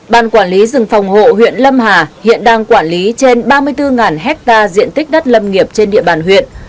ban quản lý rừng phòng hộ huyện lâm hà hiện đang quản lý trên ba mươi bốn hectare diện tích đất lâm nghiệp trên địa bàn huyện